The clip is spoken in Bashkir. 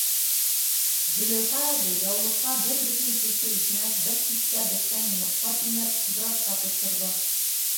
Зөләйха әбей яулыҡҡа бер бөтөн сөсө икмәк, бер тиҫтә бешкән йомортҡа төйнәп, Ҡыҙырасҡа тотторҙо: